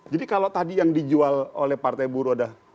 jadi kalau tadi yang dijual oleh partai buruh udah hanya mulia